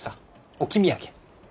置き土産。